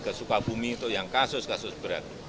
kesukaan bumi itu yang kasus kasus berat